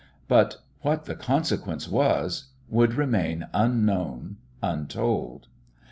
But "what the consequence was" would remain unknown, untold.